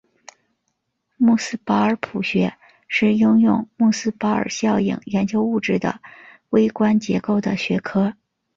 穆斯堡尔谱学是应用穆斯堡尔效应研究物质的微观结构的学科。